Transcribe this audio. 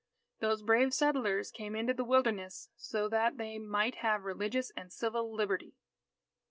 Those brave settlers came into the Wilderness so that they might have religious and civil Liberty.